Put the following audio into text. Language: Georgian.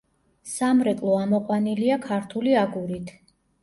სამრეკლო ამოყვანილია ქართული აგურით.